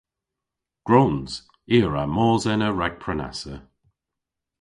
Gwrons. I a wra mos ena rag prenassa.